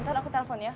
nanti aku telepon ya